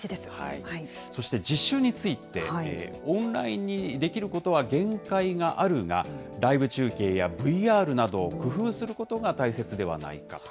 そして実習について、オンラインにできることは限界があるが、ライブ中継やＶＲなど、工夫することが大切ではないかと。